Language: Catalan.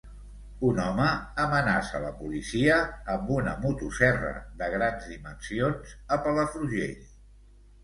Un home amenaça la policia amb una motoserra de grans dimensions a Palafrugell.